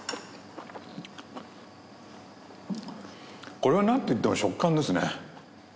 これはなんといっても食感ですね。